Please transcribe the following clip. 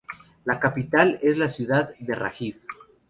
La capital es la ciudad de Rajiv.